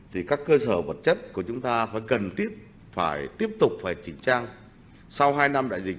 thì các cơ sở vật chất của chúng ta phải cần tiếp phải tiếp tục phải chỉnh trang sau hai năm đại dịch